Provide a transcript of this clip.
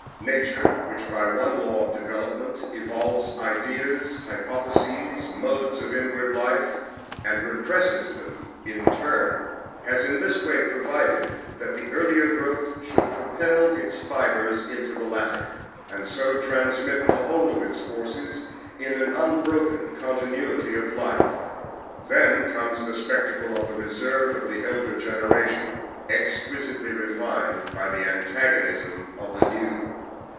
Nature, which by one law of development evolves ideas, hypotheses, modes of inward life, and represses them in turn, has in this way provided that the earlier growth should propel its fibres into the later, and so transmit the whole of its forces in an unbroken continuity of life. Then comes the spectacle of the reserve of the elder generation exquisitely refined by the antagonism of the new.